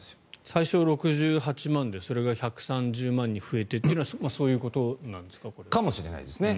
最初、６８万でそれが１３０万に増えてというのはかもしれないですね。